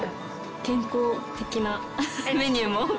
健康的なメニューも多くて。